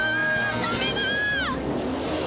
ダメだ！